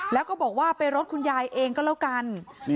แล้วก็บอกว่าไปรถคุณยายเองก็แล้วกัน